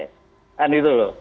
kan itu loh